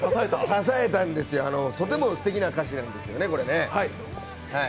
支えたんですよ、とてもすてきな歌詞なんですよね、これね。